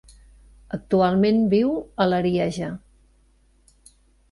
Actualment viu a l'Arieja.